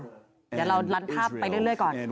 เดี๋ยวเราลันภาพไปเรื่อยก่อน